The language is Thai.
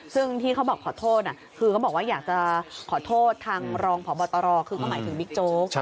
ซึ่งที่เขาบอกขอโทษคือเขาบอกว่าอยากจะขอโทษทางรองพบตรคือก็หมายถึงบิ๊กโจ๊ก